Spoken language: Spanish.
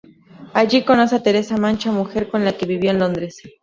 Allí conoce a Teresa Mancha, mujer con la que vivió en Londres.